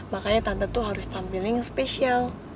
makanya tante tuh harus tampilin spesial